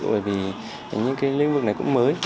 bởi vì những cái lĩnh vực này cũng mới